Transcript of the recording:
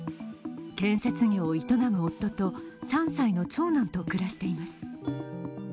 建設業を営む夫と３歳の長男と暮らしています。